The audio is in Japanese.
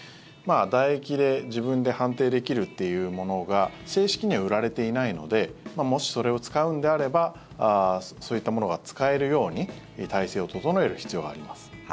だ液で自分で判定できるっていうものが正式には売られていないのでもし、それを使うんであればそういったものが使えるように体制を整える必要があります。